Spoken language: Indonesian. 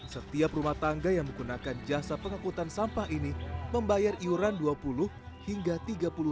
setiap rumah tangga yang menggunakan jasa pengakutan sampah ini membayar iuran dua puluh hingga tiga puluh